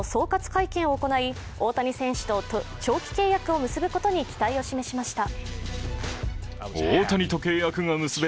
会見を行い大谷選手と長期契約を結ぶことに期待を示しました。